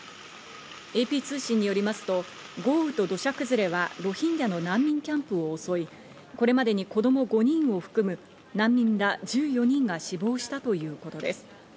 ＡＰ通信によりますと豪雨と土砂崩れはロヒンギャの難民キャンプを襲い、これまでに子供５人を含む難民ら１４人が死亡したということです。